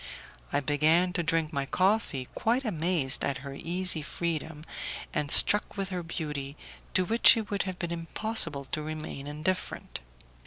I began to drink my coffee, quite amazed at her easy freedom, and struck with her beauty, to which it would have been impossible to remain indifferent.